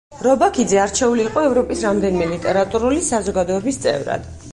რობაქიძე არჩეული იყო ევროპის რამდენიმე ლიტერატურული საზოგადოების წევრად.